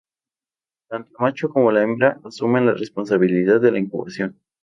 Tanto el macho como la hembra asumen la responsabilidad de la incubación.